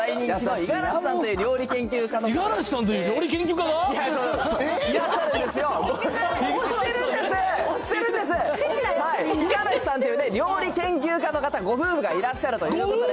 五十嵐さんっていう料理研究家の方、ご夫婦がいらっしゃるということで。